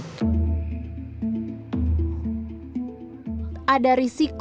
ada risiko timbulnya beragam penyakit akibat aksi mas riah